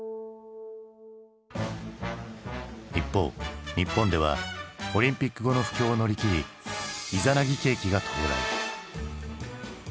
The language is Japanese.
一方日本ではオリンピック後の不況を乗り切りいざなぎ景気が到来。